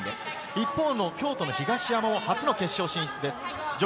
一方の京都・東山も初の決勝進出です。